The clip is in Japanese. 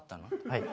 はい。